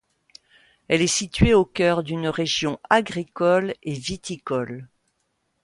Elle est située au cœur d'une région agricole et viticole.